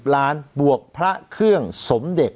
ล้านบวกพระเครื่องสมเด็จ